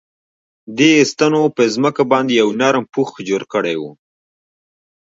دې ستنو په ځمکه باندې یو نرم پوښ جوړ کړی و